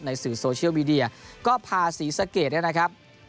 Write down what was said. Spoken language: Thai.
สื่อโซเชียลมีเดียก็พาศรีสะเกดเนี่ยนะครับ